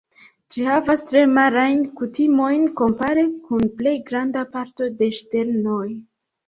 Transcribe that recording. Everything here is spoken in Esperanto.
Ĝi havas tre marajn kutimojn kompare kun plej granda parto de ŝternoj.